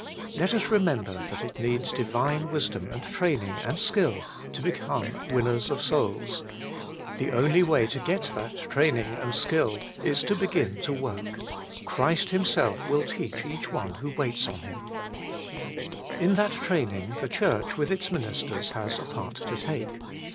Let us rememiber that it needs Divine wisdom and training and skill to become winners of souls. The only way to get that training and skill is to begin to work: Christ Himself will teach each one who waits on Him In that training the Church with its min isters has a part to take.